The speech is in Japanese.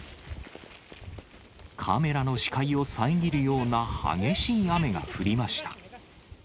カメラの視界を遮るような激しい雨が降りました。